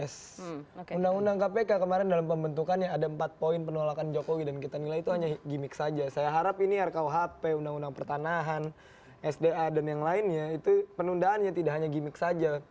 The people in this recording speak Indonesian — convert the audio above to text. undang undang kpk kemarin dalam pembentukannya ada empat poin penolakan jokowi dan kita nilai itu hanya gimmick saja saya harap ini rkuhp undang undang pertanahan sda dan yang lainnya itu penundaannya tidak hanya gimmick saja